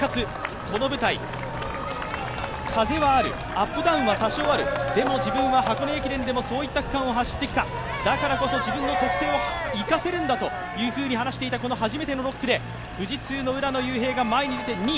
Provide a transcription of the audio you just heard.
この舞台、風はある、アップダウンは多少あるでも自分は箱根駅伝でもそういった区間を走ってきた、だからこそ自分の特性を生かせるんだと話していた初めての６区で富士通の浦野雄平が前に出て２位。